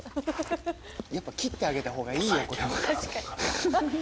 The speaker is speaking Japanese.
やっぱ切ってあげたほうがいいよ。